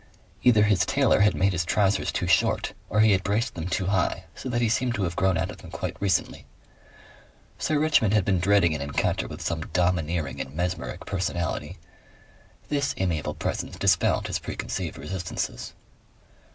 Either his tailor had made his trousers too short or he had braced them too high so that he seemed to have grown out of them quite recently. Sir Richmond had been dreading an encounter with some dominating and mesmeric personality; this amiable presence dispelled his preconceived resistances.